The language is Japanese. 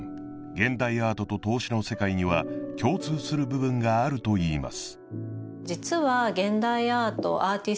現代アートと投資の世界には共通する部分があるといいます